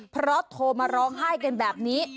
เพราะโทรมาร้องไห้กันแบบนี้